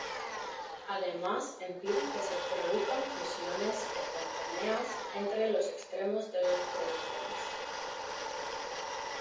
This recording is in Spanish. Además impiden que se produzcan fusiones espontáneas entre los extremos de los cromosomas.